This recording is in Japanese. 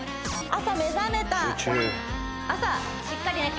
朝目覚めた朝しっかりね